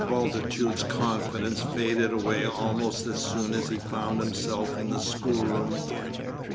Bultitude's confidence faded away almost as soon as he found himself in the schoolroom again.